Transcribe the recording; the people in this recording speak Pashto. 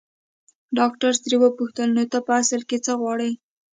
ډاکټر ترې وپوښتل نو ته په اصل کې څه غواړې.